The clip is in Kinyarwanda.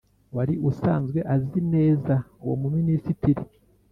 wari usanzwe azi neza uwo muminisititri